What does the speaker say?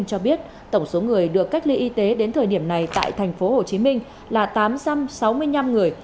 cho biết tổng số người được cách ly y tế đến thời điểm này tại tp hcm là tám trăm sáu mươi năm người